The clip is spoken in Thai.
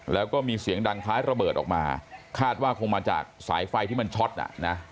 แล้วก็มีเสียงดังคล้ายระเบิดออกมาคาดว่าคงมาจากสายไฟที่มันช็อตอ่ะนะ